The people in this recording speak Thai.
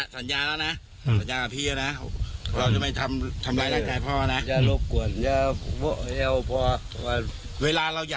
ตอนนี้โอ๊ตก็ค่อนข้างจะ